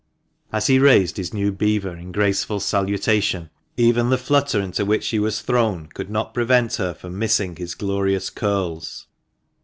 As he raised his new beaver in graceful salutation, even the flutter into which she was thrown could not prevent her missing his glorious curls.